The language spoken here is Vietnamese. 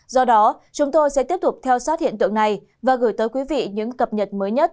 do đó chúng tôi sẽ tiếp tục theo sát hiện tượng này và gửi tới quý vị những cập nhật mới nhất